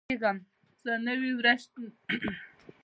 زه نهه ویشت ورځې وروسته د سفر لپاره چمتو کیږم.